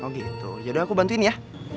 oh gitu yaudah aku bantuin ya